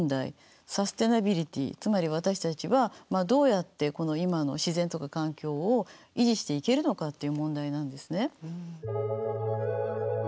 つまり私たちはどうやってこの今の自然とか環境を維持していけるのかっていう問題なんですね。